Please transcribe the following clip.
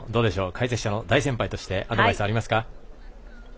解説者の大先輩としてアドバイス、ありますか？